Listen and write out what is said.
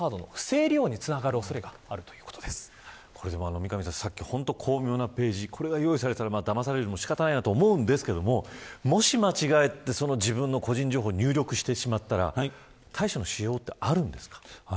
三上さん、さっき本当に巧妙なページこれが用意されていたらだまされても仕方ないと思うんですけどもし間違えて、自分の個人情報を入力してしまったら対処のしようはあるんですか。